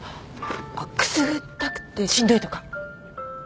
くすぐったくてしんどいとか？